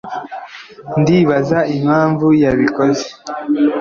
ndibaza impamvu yabikoze